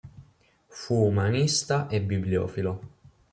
Fu umanista e bibliofilo.